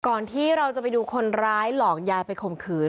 ก่อนที่เราจะไปดูคนร้ายหลอกยายไปข่มขืน